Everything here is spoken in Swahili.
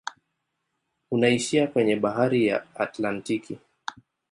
Unaishia kwenye bahari ya Atlantiki.